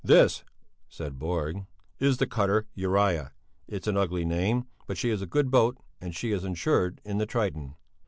"This," said Borg, "is the cutter Urijah; it's an ugly name, but she is a good boat and she is insured in the 'Triton.'